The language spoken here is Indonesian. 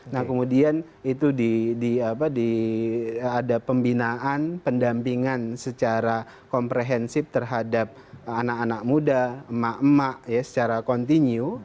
nah kemudian itu ada pembinaan pendampingan secara komprehensif terhadap anak anak muda emak emak secara kontinu